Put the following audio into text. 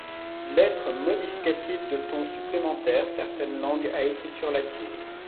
Lettres modificatives de ton supplémentaires certaines langues à écriture latine.